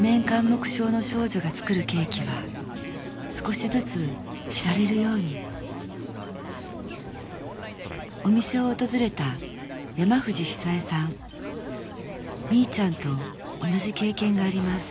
緘黙症の少女が作るケーキは少しずつ知られるようにお店を訪れた山藤央恵さんみいちゃんと同じ経験があります